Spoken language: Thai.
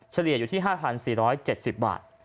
เฉลี่ยอยู่ที่๕๔๗๐บาท